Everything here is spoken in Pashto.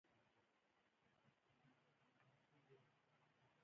ځکه مو څه نه شول ویلای.